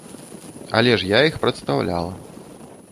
Але ж я іх прадстаўляла.